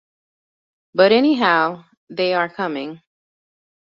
But anyhow, they are coming.